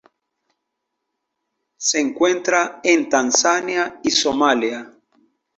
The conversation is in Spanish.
Se encuentra en Tanzania y Somalia.